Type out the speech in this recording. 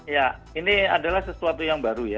ya ini adalah sesuatu yang baru ya